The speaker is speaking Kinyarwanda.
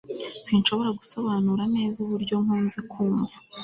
sinshobora gusobanura neza uburyo nkunze kumva